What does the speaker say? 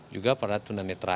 juga para tunanetra